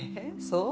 そう？